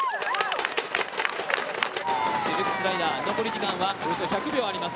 シルクスライダー、残り時間はおよそ１００秒あります。